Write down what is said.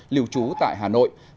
liều trú tại hà nội